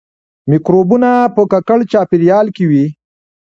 مکروبونه په ککړ چاپیریال کې وي